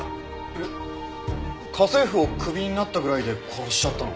えっ家政婦をクビになったぐらいで殺しちゃったの？